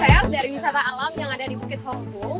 se gentil dari wisata alam yang ada di bukit hobung